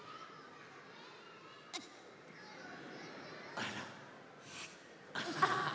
あら。